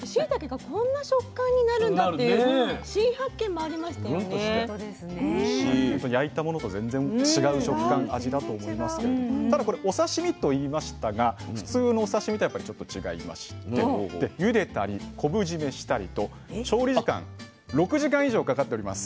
やっぱ焼いたものと全然違う食感味だと思いますけれどただこれお刺身と言いましたが普通のお刺身とはちょっと違いましてゆでたり昆布締めしたりと調理時間６時間以上かかっております。